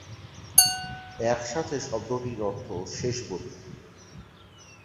একসাথে, শব্দটির অর্থ "শেষ বলি"।